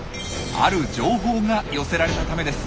ある情報が寄せられたためです。